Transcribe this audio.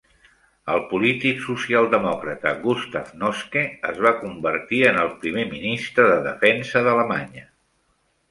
El polític socialdemòcrata Gustav Noske es va convertir en el primer ministre de Defensa d'Alemanya.